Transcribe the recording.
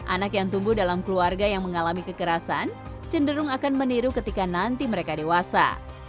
anak yang tumbuh dalam keluarga yang mengalami kekerasan cenderung akan meniru ketika nanti mereka dewasa